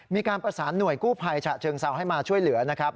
มีการประสานหน่วยกู้ภัยฉะเชิงเซาให้มาช่วยเหลือนะครับ